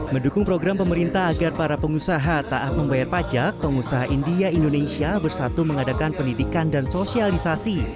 mendukung program pemerintah agar para pengusaha taat membayar pajak pengusaha india indonesia bersatu mengadakan pendidikan dan sosialisasi